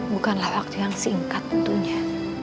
bukanlah waktu yang singkat tentunya